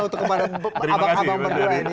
untuk kepada abang abang berdua ini